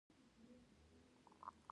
ما ورته وویل هو زه ژوند ته ډېر ارزښت ورکوم.